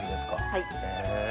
はい。